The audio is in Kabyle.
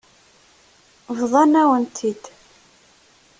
Bḍan-awen-t-id.